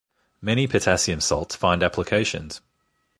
Many potassium salts find applications.